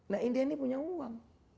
nah india ini punya uang